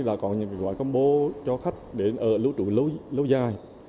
là còn những kỳ quả combo cho khách để ở lũ trụ lâu dài